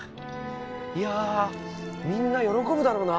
いやみんな喜ぶだろうな！